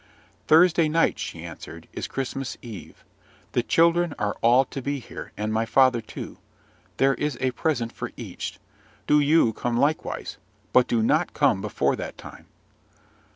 "Thursday night," she answered, "is Christmas Eve. The children are all to be here, and my father too: there is a present for each; do you come likewise, but do not come before that time."